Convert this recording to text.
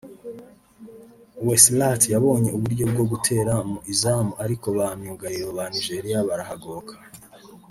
Oueslati yabonye uburyo bwo gutera mu izamu ariko ba myugariro ba Nigeria barahagoboka